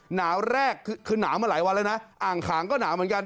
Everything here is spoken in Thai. หนาวแรกคือหนาวมาหลายวันแล้วนะอ่างขางก็หนาวเหมือนกัน